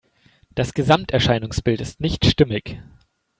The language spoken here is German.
Das Gesamterscheinungsbild ist nicht stimmig.